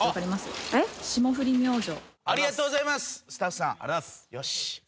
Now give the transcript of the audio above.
よし。